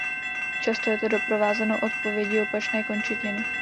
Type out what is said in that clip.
Často je to doprovázeno odpovědí opačné končetiny.